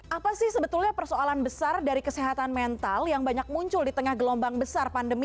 apa sih sebetulnya persoalan besar dari kesehatan mental yang banyak muncul di tengah gelombang besar pandemi